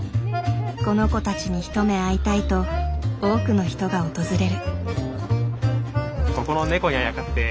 この子たちに一目会いたいと多くの人が訪れる。